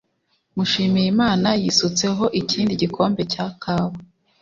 Mushimiyimana yisutseho ikindi gikombe cya kawa